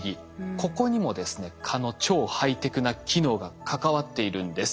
ここにもですね蚊の超ハイテクな機能が関わっているんです。